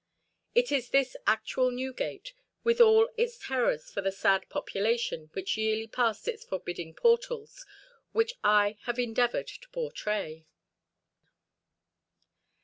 It is this actual Newgate, with all its terrors for the sad population which yearly passed its forbidding portals, which I have endeavoured to portray.